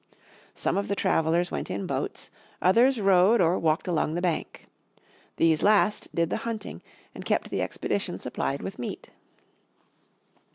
Some of the travelers went in the boats, others rode or walked along the bank. These last did the hunting and kept the expedition supplied with meat.